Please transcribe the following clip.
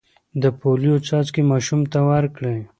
د پولیو څاڅکي ماشوم ته ورکړئ.